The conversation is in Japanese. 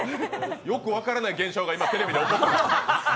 よく分からない現象がテレビで起こっています。